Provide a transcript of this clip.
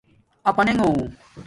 اپانݣوں